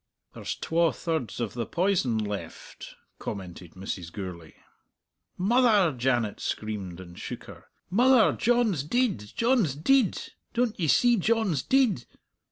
"There's twa thirds of the poison left," commented Mrs. Gourlay. "Mother!" Janet screamed, and shook her. "Mother, John's deid! John's deid! Don't ye see John's deid?"